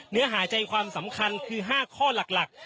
เนื้อหาใจความสำคัญคือ๕ข้อหลัก